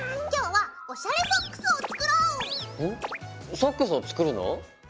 ソックスを作るの？